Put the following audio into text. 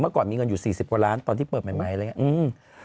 ก่อนมีเงินอยู่๔๐กว่าล้านตอนที่เปิดใหม่อะไรอย่างนี้